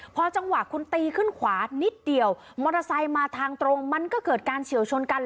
พอจังหวะคุณตีขึ้นขวานิดเดียวมอเตอร์ไซค์มาทางตรงมันก็เกิดการเฉียวชนกัน